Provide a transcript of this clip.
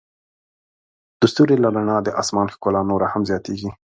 د ستوري له رڼا د آسمان ښکلا نوره هم زیاتیږي.